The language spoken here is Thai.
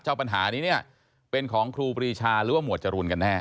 เจ้าปัญหานี้เป็นของครูปรีชาหรือว่าหมวดจรุนกันแน่